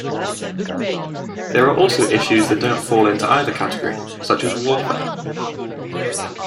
There are also issues that don't fall into either category, such as warfare.